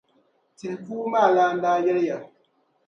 tihi puu maa lana daa yɛliya.